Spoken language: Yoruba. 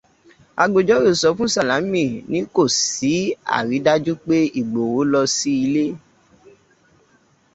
Agbẹjọ́rò fún Sàlámì ní kò sí àrídájú pé Igbòho lọ sí ilé